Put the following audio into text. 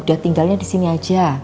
udah tinggalnya di sini aja